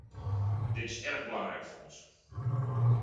Dit is erg belangrijk voor ons.